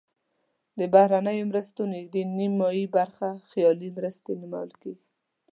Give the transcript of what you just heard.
د بهرنیو مرستو نزدې نیمایي برخه خیالي مرستې نومول کیږي.